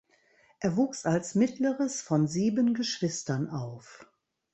Er wuchs als mittleres von sieben Geschwistern auf.